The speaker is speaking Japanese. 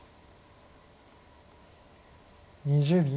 ２０秒。